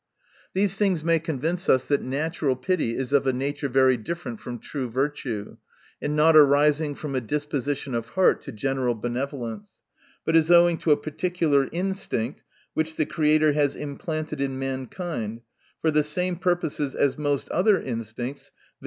These things may convince us that natural pity is of a nature very different from true virtue, and not arising from a disposition of heart to general benevo lence ; but is owing to a particular instinct, which the Creator has implanted in mankind, for the same purposes as most other instincts, viz.